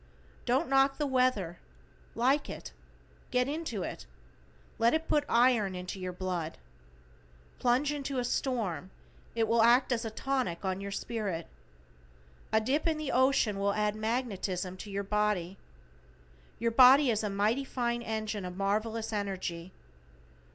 Don't knock the weather, like it, get into it, let it put iron into your blood. Plunge into a storm, it will act as tonic on your spirit. A dip in the ocean will add magnetism to your body. Your body is a mighty fine engine of marvelous energy.